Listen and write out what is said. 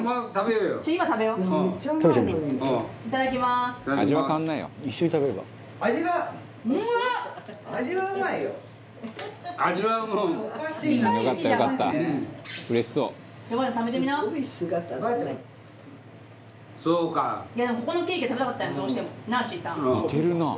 うれしそう」でもここのケーキが食べたかったんよどうしても。なあ？